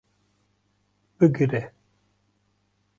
Bigire